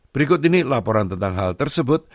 berikut ini laporan tentang hal tersebut